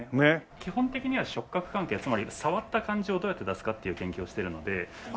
基本的には触覚関係つまり触った感じをどうやって出すかっていう研究をしてるので。